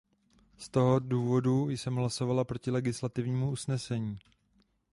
Z toho důvodu jsem hlasovala proti legislativnímu usnesení.